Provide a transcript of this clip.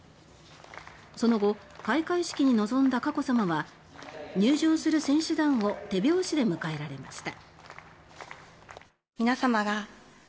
その後、開会式に臨んだ佳子さまは入場する選手団を手拍子で迎えられました。